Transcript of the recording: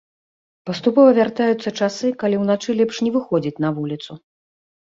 Паступова вяртаюцца часы, калі ўначы лепш не выходзіць на вуліцу.